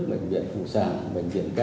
bệnh viện phùng sản bệnh viện k